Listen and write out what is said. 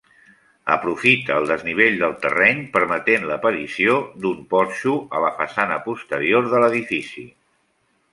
Aprofita el desnivell del terreny permetent l'aparició d'un porxo a la façana posterior de l'edifici.